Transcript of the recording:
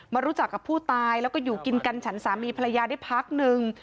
รู้จักกับผู้ตายแล้วก็อยู่กินกันฉันสามีภรรยาได้พักนึง